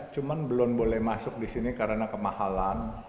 cuma belum boleh masuk disini karena kemahalan